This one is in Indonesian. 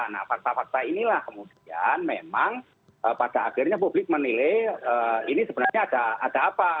nah fakta fakta inilah kemudian memang pada akhirnya publik menilai ini sebenarnya ada apa